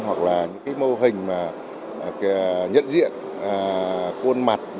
hoặc là những mô hình nhận diện khuôn mặt